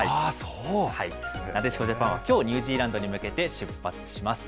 なでしこジャパンはきょう、ニュージーランドに向けて出発します。